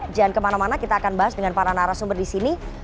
jangan kemana mana kita akan bahas dengan para narasumber di sini